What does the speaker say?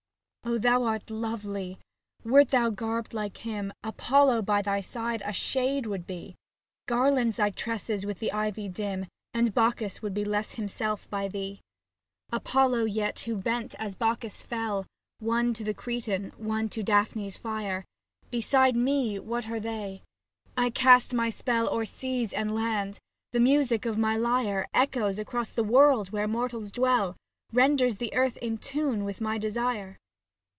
O thou art lovely ! wert thou garbed like him, Apollo by thy side a shade would be. Garland thy tresses with the ivy dim And Bacchus would be less himself, by thee. 58 SAPPHO TO PHAON Apollo, yet, who bent, as Bacchus fell, One to the Cretan, one to Daphne's fire. Beside me, what are they ? I cast my spell O'er seas and lands, the music of my lyre Echoes across the world where mortals dwell, Renders the earth in tune with my desire.